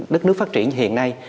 đất nước phát triển hiện nay